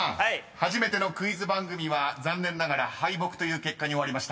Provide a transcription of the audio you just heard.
初めてのクイズ番組は残念ながら敗北という結果に終わりました］